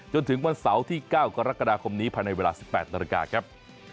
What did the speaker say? จนถึงวันเสาร์ที่๙กรกฎาคมนี้ภายในเวลา๑๘นาฬิกาครับ